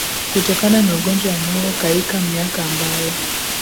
kutokana na ugonjwa wa moyo Kaika miaka ambayo